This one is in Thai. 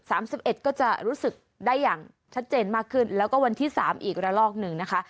สิบเอ็ดก็จะรู้สึกได้อย่างชัดเจนมากขึ้นแล้วก็วันที่สามอีกระลอกหนึ่งนะคะ